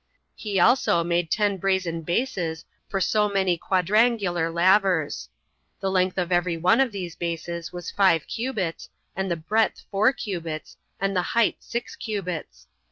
6. He also made ten brazen bases for so many quadrangular lavers; the length of every one of these bases was five cubits, and the breadth four cubits, and the height six cubits.